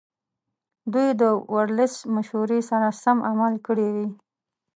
دوی د ورلسټ مشورې سره سم عمل کړی وي.